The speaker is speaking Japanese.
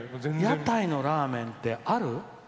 屋台のラーメンってある？